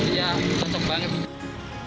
iya cocok banget